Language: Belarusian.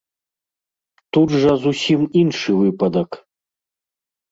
Тут жа зусім іншы выпадак.